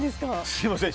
すみません。